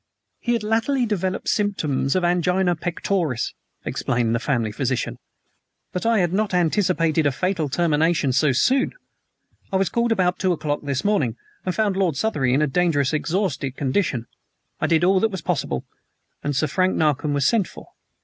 "He had latterly developed symptoms of angina pectoris," explained the family physician; "but I had not anticipated a fatal termination so soon. I was called about two o'clock this morning, and found Lord Southery in a dangerously exhausted condition. I did all that was possible, and Sir Frank Narcombe was sent for.